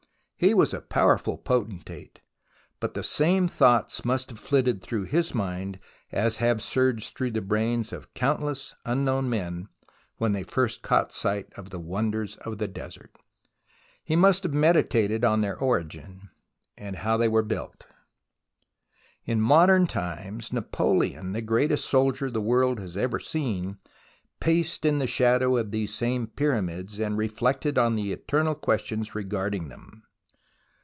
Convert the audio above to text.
He was a powerful poten tate, but the same thoughts must have flitted through his mind as have surged through the brains of countless unknown men when they first caught sight of the Wonders of the Desert. He must have meditated on their origin, and how they were built. In modern times Napoleon, the greatest soldier the world has ever seen, paced in the shadow of these same Pyramids, and reflected on the eternal questions regarding them.